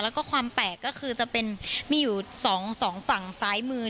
แล้วก็ความแปลกก็คือจะเป็นมีอยู่สองฝั่งซ้ายมือ